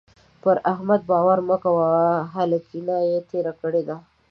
پر احمد باور مه کوئ؛ هلکينه يې تېره کړې ده.